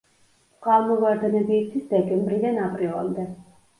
წყალმოვარდნები იცის დეკემბრიდან აპრილამდე.